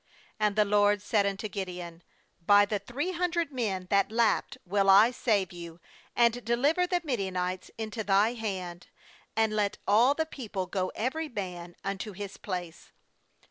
7And the LORD said unto Gideon: 'By the three hundred men that lapped will I save you, and deliver the Midian ites into thy hand; and let all the people go every man unto his place.'